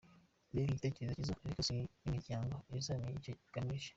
"Mbega igitekerezo cyiza, ariko se imiryango izamenya icyo iganira?".